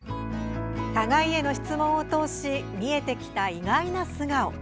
互いへの質問を通し見えてきた意外な素顔。